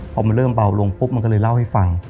พอมันเริ่มเบาลงปุ๊บมันก็เลยเล่าให้ฟัง